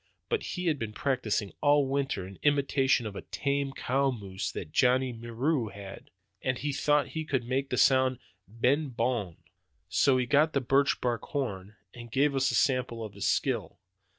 But he had been practicing all winter in imitation of a tame cow moose that Johnny Moreau had, and he thought he could make the sound 'b'en bon.' So he got the birch bark horn and gave us a sample of his skill.